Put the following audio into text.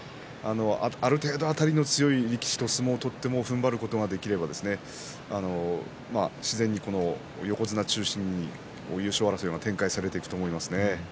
ある程度、あたりの強い力士と取ってもふんばることができれば自然に横綱中心に優勝争いは展開すると思います。